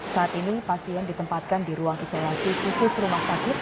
saat ini pasien ditempatkan di ruang isolasi khusus rumah sakit